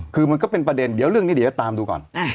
คือมันก็เป็นประเด็นเดี๋ยวเรื่องนี้เดี๋ยวจะตามดูก่อน